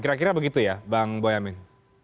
kira kira begitu ya bang boyamin